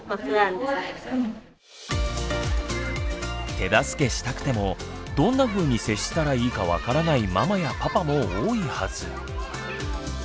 手助けしたくてもどんなふうに接したらいいか分からないママやパパも多いはず。